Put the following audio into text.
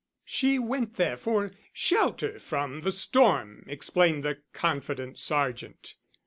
"She went there for shelter from the storm," explained the confident sergeant.